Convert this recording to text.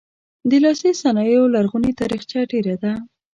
د لاسي صنایعو لرغونې تاریخچه ډیره ده.